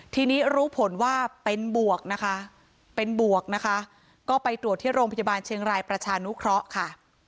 ทีนี้รู้ผลว่าเป็นบวกก็ไปตรวจที่โรงพยาบาลเชียงรายประชานุเคาะ